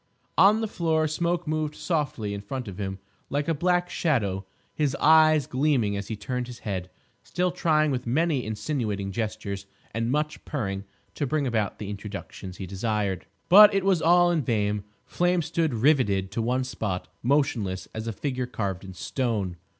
On the floor Smoke moved softly in front of him like a black shadow, his eyes gleaming as he turned his head, still trying with many insinuating gestures and much purring to bring about the introductions he desired. But it was all in vain. Flame stood riveted to one spot, motionless as a figure carved in stone.